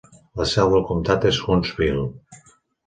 La seu del comtat és Huntsville.